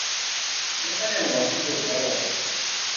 Ñuqallam wasiitraw kawaa.